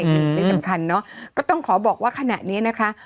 ที่สำคัญเนอะก็ต้องขอบอกว่าขณะนี้นะคะ